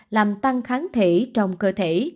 làm tăng kháng thể trong cơ thể